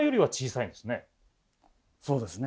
そうですね。